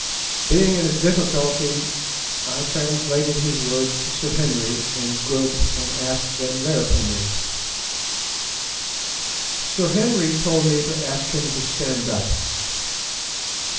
Being in a difficulty, I translated his words to Sir Henry and Good, and asked them their opinion. Sir Henry told me to ask him to stand up.